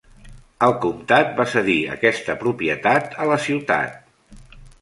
El comtat va cedir aquesta propietat a la ciutat.